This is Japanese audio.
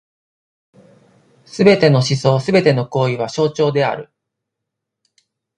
凡すべての思想凡ての行為は表象である。